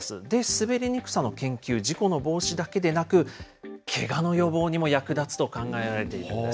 滑りにくさの研究、事故の防止だけでなく、けがの予防にも役立つと考えられているんです。